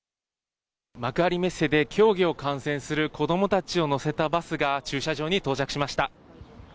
幕張メッセで競技を観戦する子どもたちを乗せたバスが駐車場に到着しました。